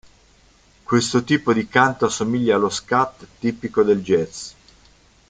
Questo tipo di canto assomiglia allo scat tipico del jazz.